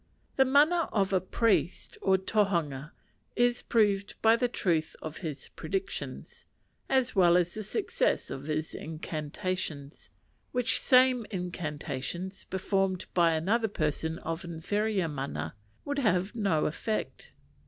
The mana of a priest or tohunga is proved by the truth of his predictions, as well as the success of his incantations; which same incantations, performed by another person of inferior mana, would have no effect.